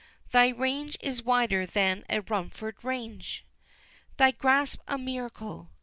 Thy range is wider than a Rumford Range! Thy grasp a miracle!